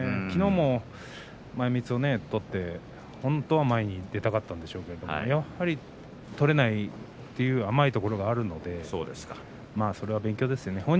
きのうも前みつを取って本当は前に出たかったんでしょうけどやっぱり取れないという甘いところがあるのでまあ、それは勉強ですね。